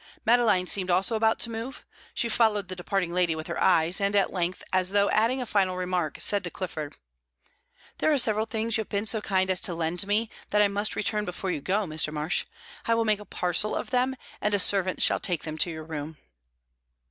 Madeline seemed also about to move; she followed the departing lady with her eyes, and at length, as though adding a final remark, said to Clifford: "There are several things you have been so kind as to lend me that I must return before you go, Mr. Marsh. I will make a parcel of them, and a servant shall take them to your room.